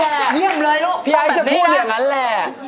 โอเคมากเลยพี่ไอ้จะพูดอย่างนั้นแหละมากแหละ